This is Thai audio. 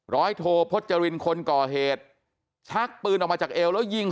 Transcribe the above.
โทพจรินคนก่อเหตุชักปืนออกมาจากเอวแล้วยิง